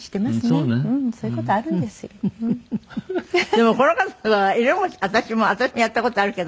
でもこの方は色も私もやった事あるけど。